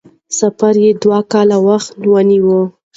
سفر یې دوه کاله وخت ونیو.